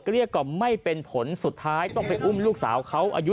เรียกกล่อมไม่เป็นผลสุดท้ายต้องไปอุ้มลูกสาวเขาอายุ